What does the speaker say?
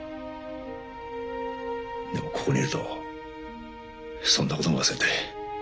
でもここにいるとそんなことも忘れて。